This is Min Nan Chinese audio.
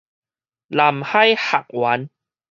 南海學園